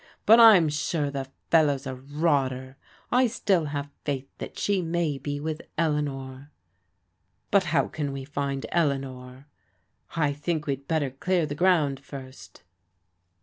" But I'm sure the fellow's a rotter. I still have faith that she may be with Eleanor." " But how can we find Eleanor? "" I think we'd better clear the grotmd first."